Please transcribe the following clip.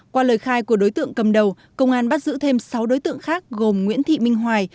qua lời khai của đối tượng cầm đầu công an bắt giữ thêm sáu đối tượng khác gồm nguyễn thị minh hoài